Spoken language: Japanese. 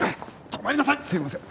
すいません。